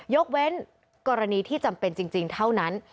ยกเว้นกรณีที่จำเป็นจริงเท่านั้น